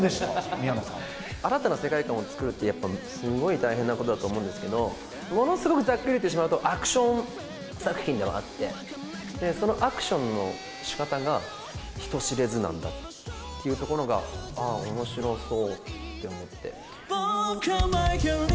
宮新たな世界観を作るって、やっぱすごい大変なことだと思うんですけど、ものすごくざっくり言ってしまうと、アクション作品ではあって、そのアクションのしかたが、人知れずなんだっていうところが、ああ、おもしろそうって思って。